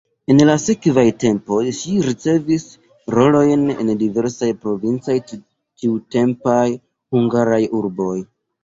En la sekvaj tempoj ŝi ricevis rolojn en diversaj provincaj tiutempaj hungaraj urboj.